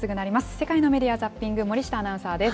世界のメディア・ザッピング、森下アナウンサーです。